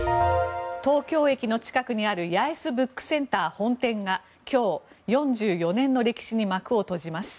東京駅の近くにある八重洲ブックセンター本店が今日、４４年の歴史に幕を閉じます。